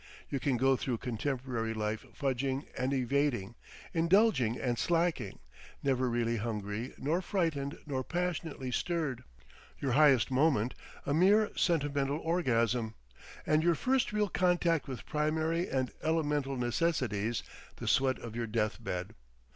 You can go through contemporary life fudging and evading, indulging and slacking, never really hungry nor frightened nor passionately stirred, your highest moment a mere sentimental orgasm, and your first real contact with primary and elemental necessities, the sweat of your death bed.